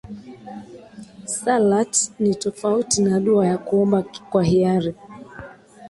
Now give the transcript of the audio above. salat ni tofauti na dua ya kuomba kwa hiari